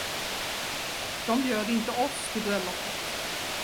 De bjöd inte oss till bröllopet.